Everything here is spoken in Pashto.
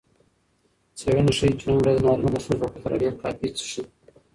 څیړنې ښيي چې نن ورځ نارینه د ښځو په پرتله ډېره کافي څښي.